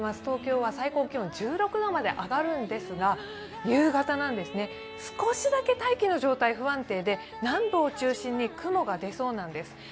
東京は最高気温１６度まで上がるんですが夕方なんですね、少しだけ大気の状態が不安定で南部を中心に雲が出そうなんです。